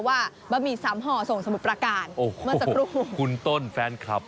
ว่าบะหมี่ซ้ำห่อส่งสมุดประการโอ้โหมาจากรุงคุณต้นแฟนคลับ